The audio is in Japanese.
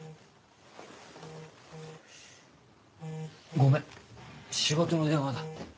ごめん仕事の電話だ。